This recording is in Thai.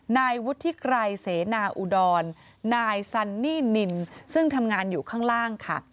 นายวุฒิไกรเสนาอุดรนายซันนี่นินซึ่งทำงานอยู่ข้างล่างค่ะ